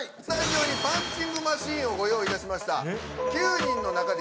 スタジオにパンチングマシーンをご用意いたしました。